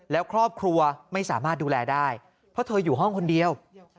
แล้วครอบครัวไม่สามารถดูแลได้เพราะเธออยู่ห้องคนเดียว